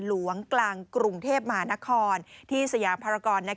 หลวงกลางกรุงเทพมหานครที่สยามภารกร